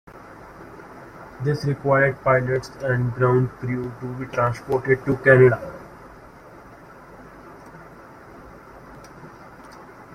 This required pilots and ground crew to be transported to Canada.